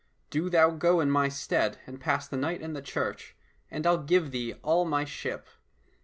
Do thou go in my stead and pass the night in the church, and I'll give thee all my ship."